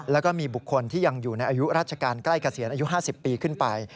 แล้วก็มีบุคคลที่ยังอยู่ในอายุราชการใกล้เกษียณอายุ๕๐ปีขึ้นไป